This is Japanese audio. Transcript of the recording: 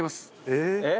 えっ？